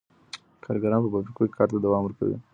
کارګران په فابریکو کي کار ته دوام ورکوي.